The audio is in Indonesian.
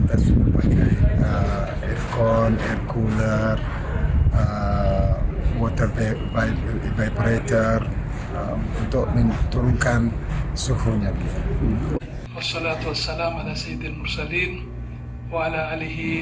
ada aircon air cooler water vibrator untuk menurunkan suhunya